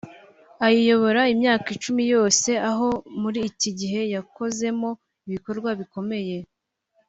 ayiyobora imyaka icumi yose aho muri iki gihe yakozemo ibikorwa bikomeye